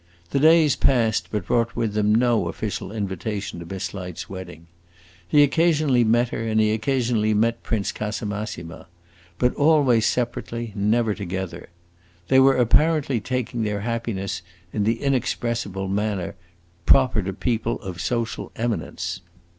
The days passed, but brought with them no official invitation to Miss Light's wedding. He occasionally met her, and he occasionally met Prince Casamassima; but always separately, never together. They were apparently taking their happiness in the inexpressive manner proper to people of social eminence.